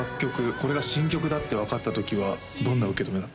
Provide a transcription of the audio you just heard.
これが新曲だって分かった時はどんな受け止めだった？